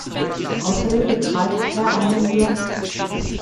Außerdem betreibt er ein Blog.